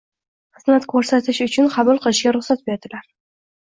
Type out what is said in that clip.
Xizmat koʻrsatish uchun qabul qilishga ruxsat berilar.